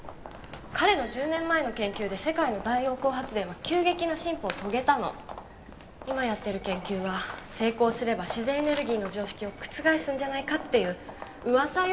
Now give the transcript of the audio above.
彼の１０年前の研究で世界の太陽光発電は急激な進歩を遂げたの今やってる研究は成功すれば自然エネルギーの常識を覆すんじゃないかって噂よ